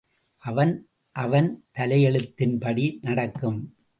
அவன் அவன் தலையெழுத்தின்படி நடக்கும்.